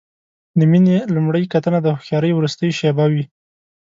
د مینې لومړۍ کتنه د هوښیارۍ وروستۍ شېبه وي.